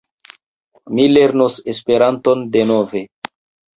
Mi lernos Esperanton denove.